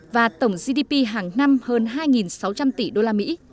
và tổng gdp hàng năm hơn hai sáu trăm linh tỷ usd